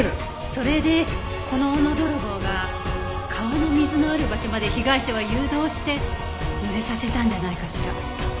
それでこの斧泥棒が川の水のある場所まで被害者を誘導して濡れさせたんじゃないかしら。